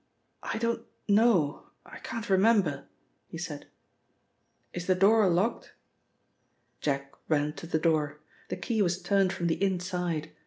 "I don't know, I can't remember," he said. "Is the door locked?" Jack ran to the door. The key was turned from the inside.